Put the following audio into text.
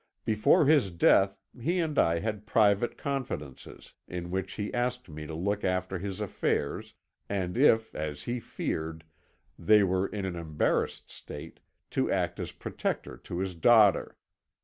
Before his death he and I had private confidences, in which he asked me to look after his affairs, and if, as he feared, they were in an embarrassed state, to act as protector to his daughter.